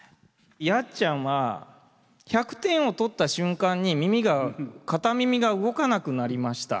やっちゃんは１００点を取った瞬間に耳が片耳が動かなくなりました。